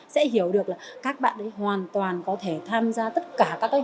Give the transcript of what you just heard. sẽ hiểu được là các bạn ấy hoàn toàn có thể tham gia tất cả các bài học